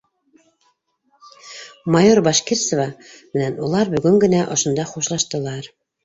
Майор Башкирцева менән улар бөгөн генә, ошонда хушлаштылар.